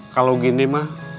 kalau gini mah